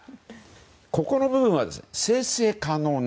ここの部分は生成可能な。